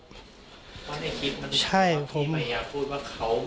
พี่มายาพูดว่าเขามีอาวุธจะทำร้ายพี่ก่อน